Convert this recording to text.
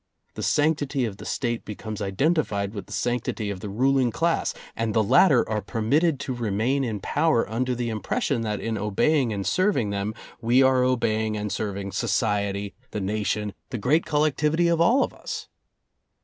The sanctity of the State becomes identified with the sanctity of the ruling class and the latter are permitted to remain in power under the impression that in obeying and serving them, we are obeying and serving society, the nation, the great collectivity of all of us.